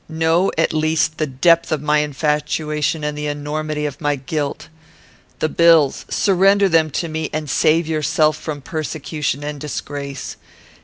Know at least the depth of my infatuation and the enormity of my guilt. "The bills surrender them to me, and save yourself from persecution and disgrace.